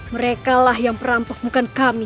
merekalah yang perampok bukan kami